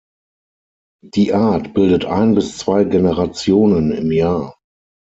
Die Art bildet ein bis zwei Generationen im Jahr.